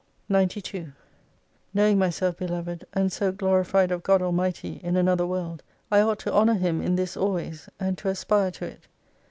311 91 Knowing myself beloved and so glorified of God Almighty in another world, I ought to honour Him in this always, and to aspire to it.